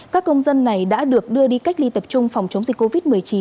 các công dân này đã được đưa đi cách ly tập trung phòng chống dịch covid một mươi chín